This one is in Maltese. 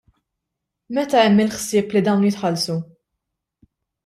Meta hemm il-ħsieb li dawn jitħallsu?